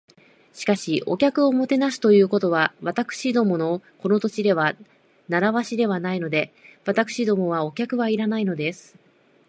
「しかし、お客をもてなすということは、私どものこの土地では慣わしではないので。私どもはお客はいらないのです」